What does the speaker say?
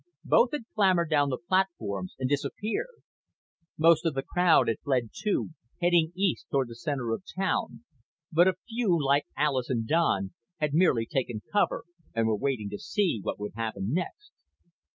Both had clambered down from the platforms and disappeared. Most of the crowd had fled too, heading east toward the center of town, but a few, like Alis and Don, had merely taken cover and were waiting to see what would happen next.